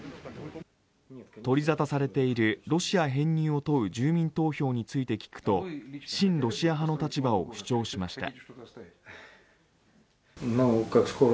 取り沙汰されているロシア編入を問う住民投票について聞くと親ロシア派の立場を主張しました。